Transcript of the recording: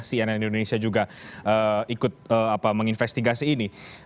cnn indonesia juga ikut menginvestigasi ini